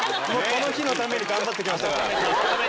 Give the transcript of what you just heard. この日のために頑張ってきましたから。